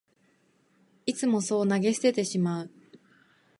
いつもそう投げ捨ててしまう